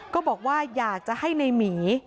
ก็อยากให้ในหุ่นมี